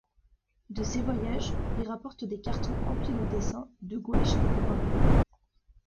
De ses voyages, il rapporte des cartons emplis de dessins, de gouaches et d'aquarelles.